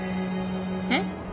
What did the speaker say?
えっ？